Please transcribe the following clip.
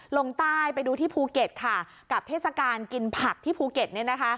ลงใต้ไปดูที่ภูเก็ตค่ะกับเทศกาลกินผักที่ภูเก็ต